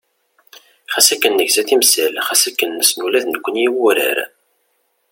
Xas akken negza timsal, xas akken nessen ula d nekkni i wurar.